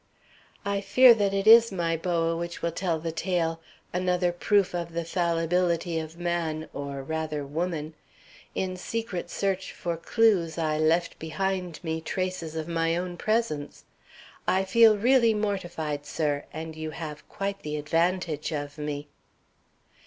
"I fear that it is my boa which will tell the tale: another proof of the fallibility of man, or, rather, woman. In secret search for clews I left behind me traces of my own presence. I really feel mortified, sir, and you have quite the advantage of me."